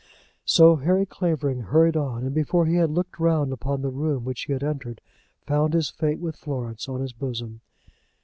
So Harry Clavering hurried on, and before he had looked round upon the room which he had entered, found his fate with Florence on his bosom.